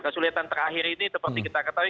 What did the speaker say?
kesulitan terakhir ini seperti kita ketahui